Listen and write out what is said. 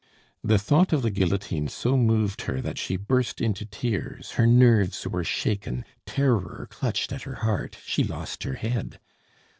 The thought of the guillotine so moved her that she burst into tears, her nerves were shaken, terror clutched at her heart, she lost her head.